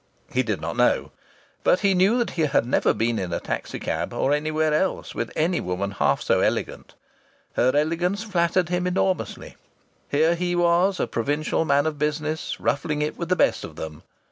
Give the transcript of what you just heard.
He did not know. But he knew that he had never been in a taxi cab, or anywhere else, with any woman half so elegant. Her elegance flattered him enormously. Here he was, a provincial man of business, ruffling it with the best of them!...